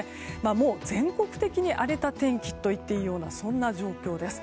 もう全国的に荒れた天気といっていいような状況です。